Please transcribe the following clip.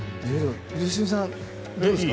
良純さん、いいですか？